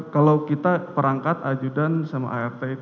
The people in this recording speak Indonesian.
kalau kita perangkat ajudan sama art